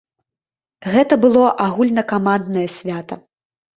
Гэта было агульнакаманднае свята.